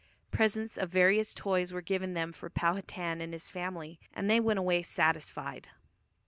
Presents of various toys were given them for Powhatan and his family, and they went away satisfied.